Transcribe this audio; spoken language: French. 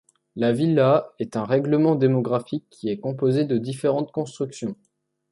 La villa est un règlement démographique qui est composé de différentes constructions.